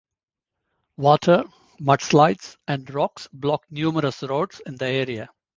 Water, mudslides, and rocks blocked numerous roads in the area.